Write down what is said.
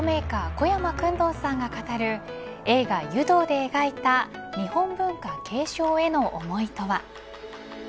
小山薫堂さんが語る映画、湯道で描いた日本文化継承への思いとは。